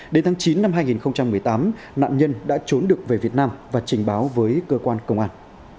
đến tháng chín năm hai nghìn một mươi tám nạn nhân đã trốn được về việt nam và trình báo với cơ quan công an